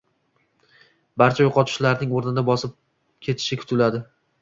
barcha yo‘qotishlarning o‘rnini bosib ketishi kutiladi.